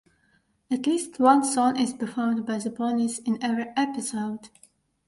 At least one song is performed by the ponies in every episode.